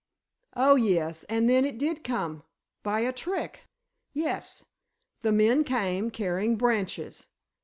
"Oh, yes, and then it did come—by a trick." "Yes, the men came, carrying branches.